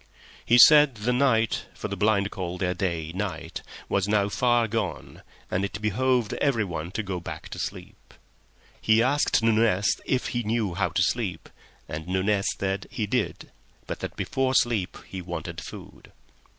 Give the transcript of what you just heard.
He said the night—for the blind call their day night—was now far gone, and it behooved everyone to go back to sleep. He asked Nunez if he knew how to sleep, and Nunez said he did, but that before sleep he wanted food.